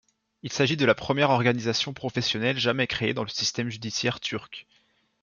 Il s'agit de la première organisation professionnelle jamais créée dans le système judiciaire turc.